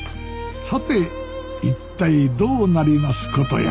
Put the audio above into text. さて一体どうなりますことやら